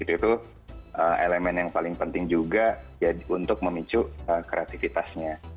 itu elemen yang paling penting juga untuk memicu kreativitasnya